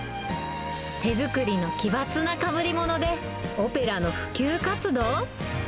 手作りの奇抜なかぶりもので、オペラの普及活動？